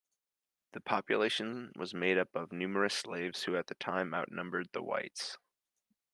The population was made up of numerous slaves, who at times outnumbered the whites.